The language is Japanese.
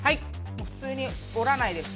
もう普通に折らないです。